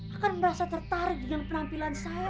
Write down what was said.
akan merasa tertarik dengan penampilan saya